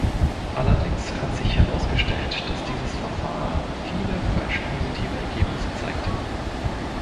Allerdings hat sich herausgestellt, dass dieses Verfahren viele falsch positive Ergebnisse zeigte.